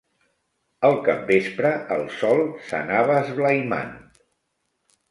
Al capvespre, el sol s'anava esblaimant.